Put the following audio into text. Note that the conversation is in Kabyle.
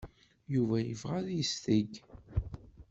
Yuba yebɣa ad yesteg.